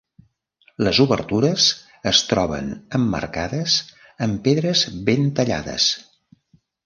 Les obertures es troben emmarcades amb pedres ben tallades.